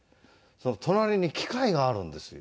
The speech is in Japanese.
隣に機械があるんですよ。